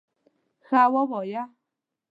_ښه، ووايه!